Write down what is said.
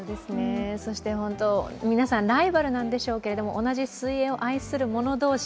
そして皆さん、ライバルなんでしょうけれども、同じ水泳を愛する者同士、